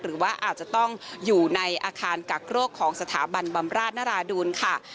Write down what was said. หรือว่าอาจจะต้องอยู่ในอาคารกักโรคของสถาบันบำราชนราดูลค่ะ